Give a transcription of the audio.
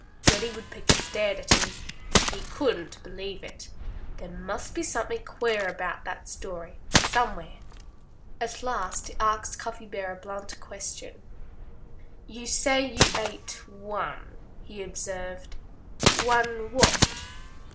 Reddy Woodpecker stared at him. He couldn't believe it. There must be something queer about that story, somewhere. At last he asked Cuffy a blunt question. "You say you ate one," he observed. "One what?"